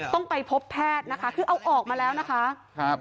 ต้องไปพบแพทย์นะคะคือเอาออกมาแล้วนะคะครับ